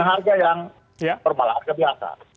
harga yang normal harga biasa